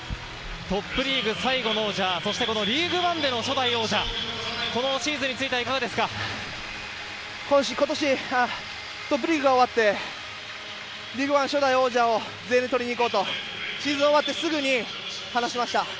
トップリーグ最後の王者、リーグワンでの初代王者、このシーズンについてはいかがで今年、トップリーグが終わって、リーグワン初代王者を全員で取りに行こうと、シーズン終わってすぐに話しました。